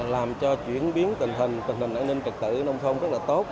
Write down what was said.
làm cho chuyển biến tình hình tình hình an ninh trật tự ở nông phong rất là tốt